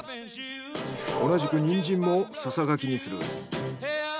同じくニンジンもささがきにする。